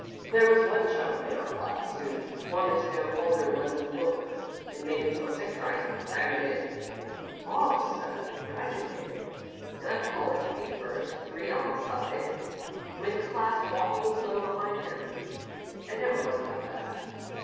"There was one chump in our class who wanted to know all there was in the book, and made himself sick trying to cram it in. All of a sudden, he graduated. He left college feet first, three on a side, with the class walking slow behind him. I never was like that.